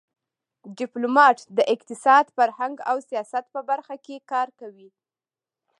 ډيپلومات د اقتصاد، فرهنګ او سیاست په برخه کې کار کوي.